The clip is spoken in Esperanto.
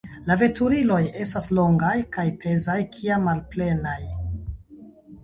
La veturiloj estas longaj, kaj pezaj kiam malplenaj.